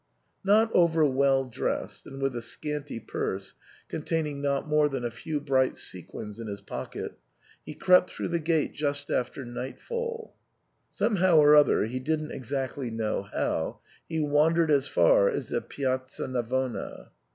Not over well dressed, and with a scanty purse con taining not more than a few bright sequins * in his pocket, he crept through the gate just after nightfall. Somehow or other, he didn't exactly know how, he wandered as far as the Piazza Navona.